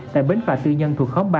tại bến phà tự nhân thuộc khóm ba